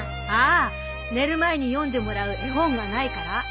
ああ寝る前に読んでもらう絵本がないから？